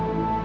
aku mau pergi